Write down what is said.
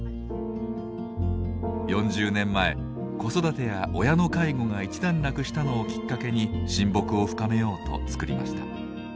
４０年前子育てや親の介護が一段落したのをきっかけに親睦を深めようとつくりました。